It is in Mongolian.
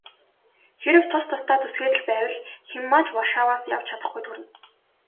Хэрвээ тус тусдаа зүтгээд л байвал хэн маань ч Варшаваас явж чадахгүйд хүрнэ.